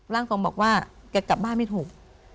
ร่างทรงบอกว่าแกกลับบ้านไม่ถูก